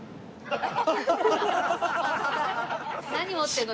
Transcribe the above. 何持ってるの？